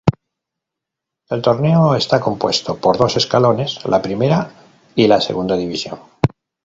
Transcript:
El torneo está compuesto por dos escalones, la primera y la segunda división.